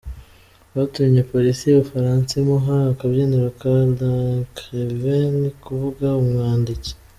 Byatumye polisi y'Ubufaransa imuha akabyiniriro ka "L'Écrivain" - ni ukuvuga "Umwanditsi.